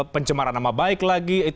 pencemaran nama baik lagi